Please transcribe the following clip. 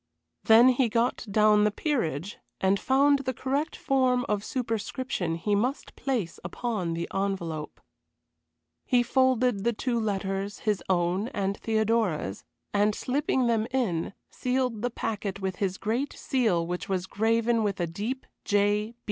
Then he got down the Peerage and found the correct form of superscription he must place upon the envelope. He folded the two letters, his own and Theodora's, and, slipping them in, sealed the packet with his great seal which was graven with a deep J.